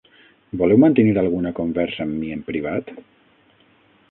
Voleu mantenir alguna conversa amb mi en privat?